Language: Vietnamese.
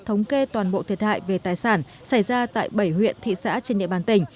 thống kê toàn bộ thiệt hại về tài sản xảy ra tại bảy huyện thị xã trên địa bàn tỉnh